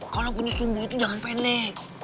kalau punya sumbu itu jangan pelik